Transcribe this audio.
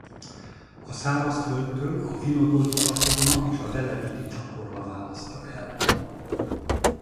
A szárazföldtől a Vinodoli-csatorna és a Velebiti-csatorna választja el.